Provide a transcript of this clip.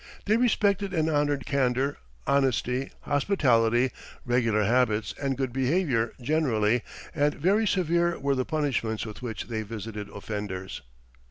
They respected and honored candor, honesty, hospitality, regular habits, and good behavior generally; and very severe were the punishments with which they visited offenders.